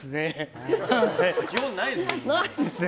基本、ないですよね。